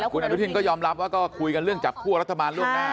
คุณอนุทินก็ยอมรับว่าก็คุยกันเรื่องจากคู่กับรัฐมนต์